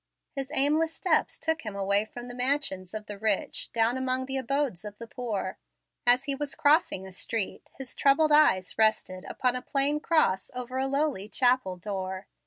His aimless steps took him away from the mansions of the rich down among the abodes of the poor. As he was crossing a street his troubled eyes rested upon a plain cross over a lowly chapel door.